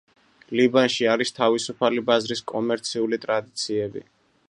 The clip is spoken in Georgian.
ლიბანში არის თავისუფალი ბაზრის კომერციული ტრადიციები.